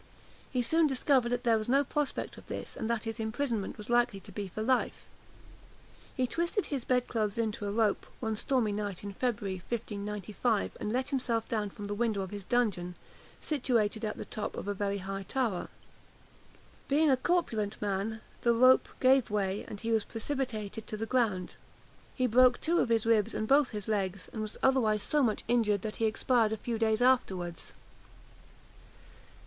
He soon discovered that there was no prospect of this, and that his imprisonment was likely to be for life. He twisted his bed clothes into a rope, one stormy night in February 1595, and let himself down from the window of his dungeon, situated at the top of a very high tower. Being a corpulent man, the rope gave way, and he was precipitated to the ground. He broke two of his ribs and both his legs; and was otherwise so much injured, that he expired a few days afterwards.